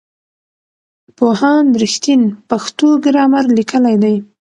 پوهاند رښتین پښتو ګرامر لیکلی دی.